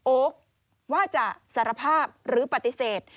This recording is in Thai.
โอ๊คว่าจะสารภาพหรือปฏิเสธ